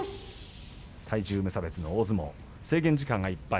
体重無差別の大相撲制限時間がいっぱい。